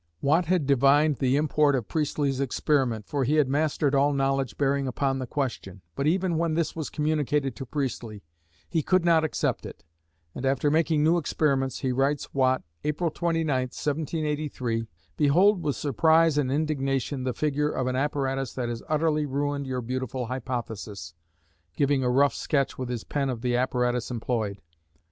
Watt had divined the import of Priestley's experiment, for he had mastered all knowledge bearing upon the question, but even when this was communicated to Priestley, he could not accept it, and, after making new experiments, he writes Watt, April 29, 1783, "Behold with surprise and indignation the figure of an apparatus that has utterly ruined your beautiful hypothesis," giving a rough sketch with his pen of the apparatus employed.